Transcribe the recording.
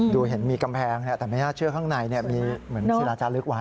ดูเห็นมีกำแพงแต่ไม่น่าเชื่อข้างในมีเหมือนศิลาจาลึกไว้